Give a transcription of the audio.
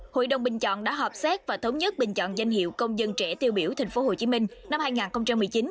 hội đồng bình chọn đã họp xét và thống nhất bình chọn danh hiệu công dân trẻ tiêu biểu tp hcm năm hai nghìn một mươi chín